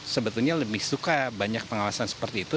sebetulnya lebih suka banyak pengawasan seperti itu